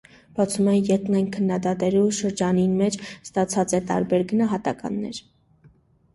Բացումէն ետք այն քննադատներու շրջանին մէջ ստացած է տարբեր գնահատականներ։